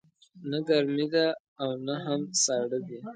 نه ګرمې ده او نه هم ساړه دی